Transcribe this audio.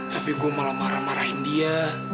tapi gue malah marah marahin dia